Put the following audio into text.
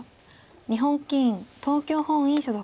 日本棋院東京本院所属。